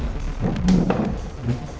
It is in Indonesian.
sebentar ya putri ya